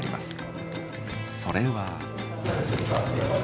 それは。